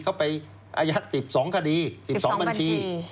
เขาไปอายัด๑๒คดี๑๒บัญชี